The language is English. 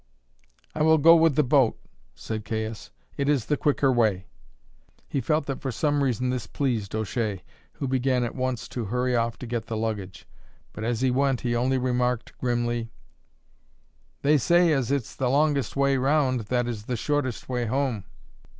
"I will go with the boat," said Caius. "It is the quicker way." He felt that for some reason this pleased O'Shea, who began at once to hurry off to get the luggage, but as he went he only remarked grimly: "They say as it's the longest way round that is the shortest way home.